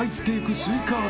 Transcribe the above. スイカ頭。